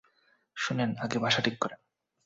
শুনেন, আগে ভাষা ঠিক করেন।